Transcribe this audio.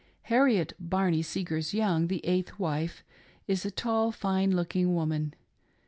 ] Harriet Barney Seagers Young, the eighth wife, is a tall, fine looking woman.